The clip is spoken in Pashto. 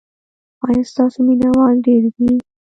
ایا ستاسو مینه وال ډیر دي؟